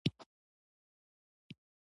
د مصنوعي ځیرکتیا لیکنې نه منل کیږي.